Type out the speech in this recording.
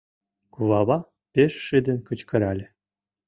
Кувава пеш шыдын кычкырале